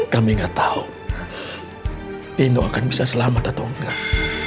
kami gak tahu nino akan bisa selamat atau enggak